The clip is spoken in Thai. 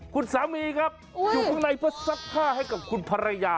ครูสามีครับอยู่ข้างในเฝ้าซับผ้าให้ของครูภรรยา